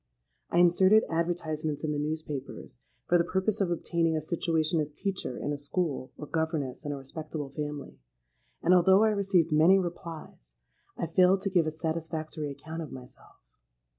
I inserted advertisements in the newspapers, for the purpose of obtaining a situation as teacher in a school or governess in a respectable family; and although I received many replies, I failed to give a satisfactory account of myself.